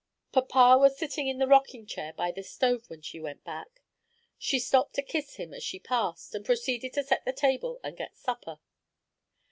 Papa was sitting in the rocking chair, by the stove, when she went back. She stopped to kiss him as she passed, and proceeded to set the table and get supper.